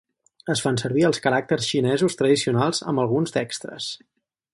Es fan servir els caràcters xinesos tradicionals amb alguns d'extres.